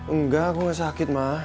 enggak aku enggak sakit ma